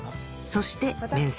そして面接